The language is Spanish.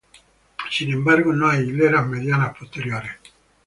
Sin embargo, no hay hileras medianas posteriores.